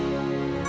jangan tinggal di